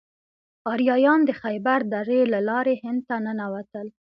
آریایان د خیبر درې له لارې هند ته ننوتل.